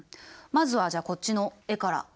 まずはじゃあこっちの絵から。